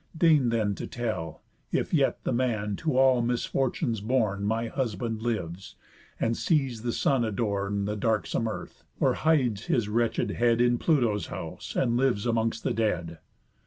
Deign then to tell, If yet the man to all misfortunes born, My husband, lives, and sees the sun adorn The darksome earth, or hides his wretched head In Pluto's house, and lives amongst the dead?"